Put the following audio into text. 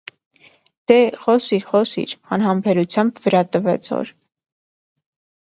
- Դե՜հ, խոսի՛ր, խոսի՛ր,- անհամբերությամբ վրա տվեց օր.